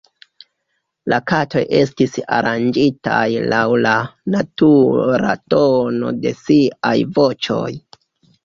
La katoj estis aranĝitaj laŭ la natura tono de siaj voĉoj.